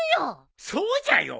そうじゃよ。